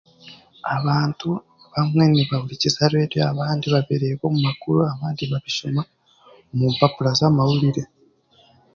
Abantu bamwe nibahurikiza reediyo, abandi babireeba omu makuru abandi babishoma omu mpapura z'amahuriire.